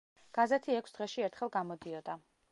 გაზეთი ექვს დღეში ერთხელ გამოდიოდა.